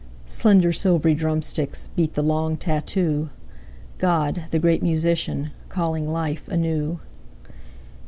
Slender, silvery drumsticks Beat the long tattoo God, the Great Musician, Calling life anew.